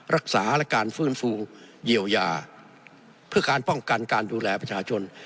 รักษาและการฟื้นฟูเยียวยาเพื่อการป้องกันการดูแลประชาชน